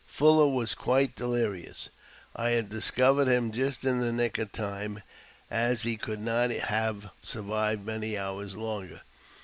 Fuller was quite delirious. I had discovered him just in the nick of time, as he could not have survived many hours longer.